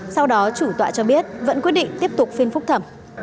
sau đó chủ tọa cho biết vẫn quyết định tiếp tục phiên phúc thẩm